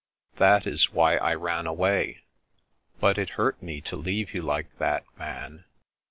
That is why I ran away. But it hurt me to leave you like that, Man."